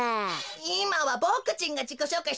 いまはボクちんがじこしょうかいしてますの。